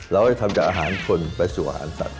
เราจะทำจากอาหารชนไปสู่อาหารสัตว